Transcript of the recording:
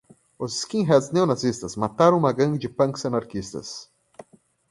Os skinheads neonazistas mataram uma gangue de punks anarquistas